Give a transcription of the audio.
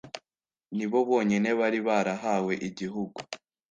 ni bo bonyine bari barahawe igihugu